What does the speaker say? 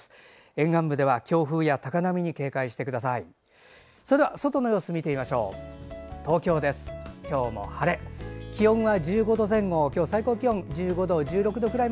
沿岸部では強風や高波に警戒してください。